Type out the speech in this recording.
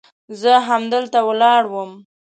زه همدلته ولاړ وم.